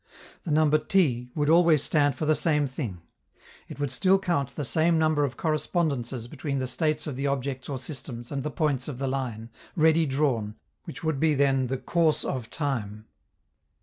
The number t would always stand for the same thing; it would still count the same number of correspondences between the states of the objects or systems and the points of the line, ready drawn, which would be then the "course of time."